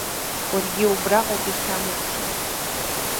Уаргьы убраҟоуп иахьамухша.